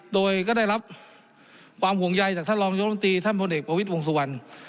โดยก็ได้รับความห่วงใยจากท่านรองยกรรมตรีท่านพลเอกประวิทย์วงสุวรรณ